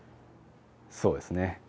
そうですね。